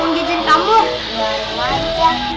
udah mau magret tau